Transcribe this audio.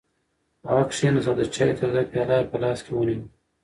هغه کېناست او د چای توده پیاله یې په لاس کې ونیوله.